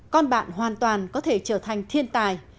con bạn hoàn toàn có thể trở thành thiên tài